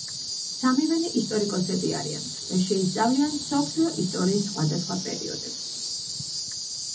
სამივენი ისტორიკოსები არიან და შეისწავლიან მსოფლიო ისტორიის სხვადასხვა პერიოდებს.